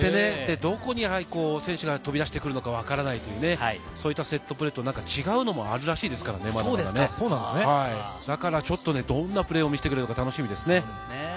回って、どこに選手が飛び出してくるのか分からないという、そういったセットプレーと違うのもあるらしいですからね、ちょっとどんなプレーを見せてくれるか楽しみです。